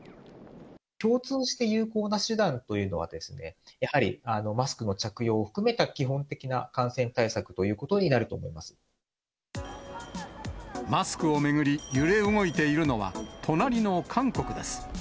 共通して有効な手段というのは、やはりマスクの着用を含めた基本的な感染対策ということになるとマスクを巡り、揺れ動いているのは、隣の韓国です。